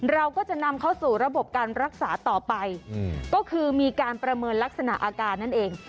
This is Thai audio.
เราก็จะนำเข้าสู่ระบบการรักษาต่อไปก็คือมีการประเมินลักษณะอาการนั่นเอง